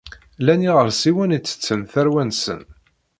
Llan iɣersiwen itetten tarwa-nsen.